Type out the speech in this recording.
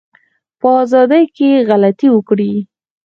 په ازادی کی غلطي وکړی